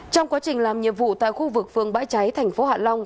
trong quá trình làm nhiệm vụ tại khu vực phường bãi cháy thành phố hạ long